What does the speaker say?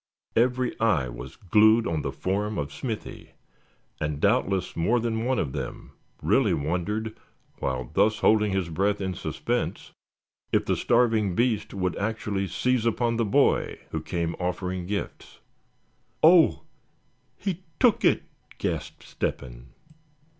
Every eye was glued on the form of Smithy, and doubtless more than one of them really wondered while thus holding his breath in suspense, if the starving beast would actually seize upon the boy who came offering gifts. "Oh! he took it!" gasped Step hen.